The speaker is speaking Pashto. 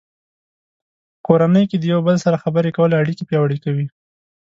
په کورنۍ کې د یو بل سره خبرې کول اړیکې پیاوړې کوي.